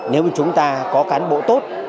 nếu chúng ta có cán bộ tốt